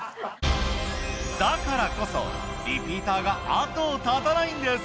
だからこそリピーターが後を絶たないんです！